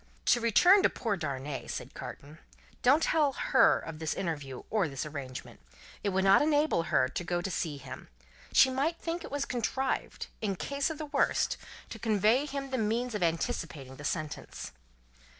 "To return to poor Darnay," said Carton. "Don't tell Her of this interview, or this arrangement. It would not enable Her to go to see him. She might think it was contrived, in case of the worse, to convey to him the means of anticipating the sentence."